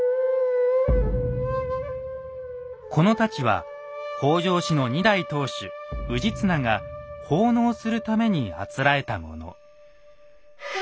この太刀は北条氏の２代当主氏綱が奉納するためにあつらえたもの。